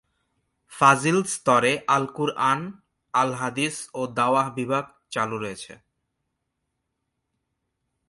ফাজিল স্তরে আল কুরআন, আল হাদিস ও দাওয়াহ বিভাগ চালু রয়েছে।